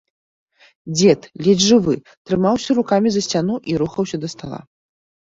Дзед, ледзь жывы, трымаўся рукамі за сцяну і рухаўся да стала.